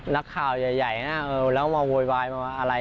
นักข่าวใหญ่นะแล้วมาโวยวายมาอะไร